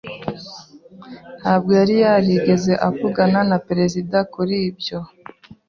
Ntabwo yari yarigeze avugana na perezida kuri ibyo.